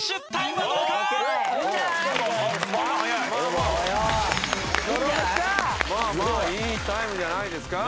まあまあいいタイムじゃないですか？